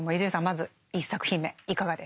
まず１作品目いかがでしたか？